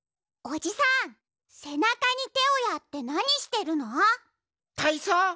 おじさんせなかにてをやってなにしてるの？